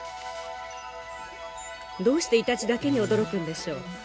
どうしてイタチだけに驚くんでしょう？